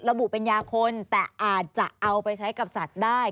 ระบุเป็นยาคนแต่อาจจะเอาไปใช้กับสัตว์ได้